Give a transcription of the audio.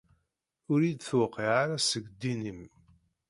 Ur iyi-d-tewqiɛ ara seg ddin-im.